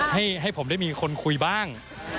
ให้ผมได้มีคนคุยบ้าง